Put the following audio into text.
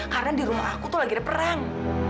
karena di rumah aku tuh lagi ada perang